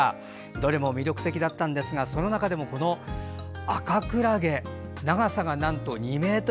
どれも魅力的だったんですがその中でも、このアカクラゲ長さがなんと２ｍ。